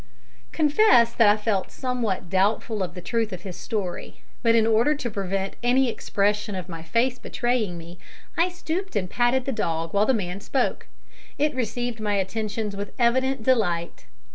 Confess that I felt somewhat doubtful of the truth of this story; but, in order to prevent any expression of my face betraying me, I stooped and patted the dog while the man spoke. It received my attentions with evident delight.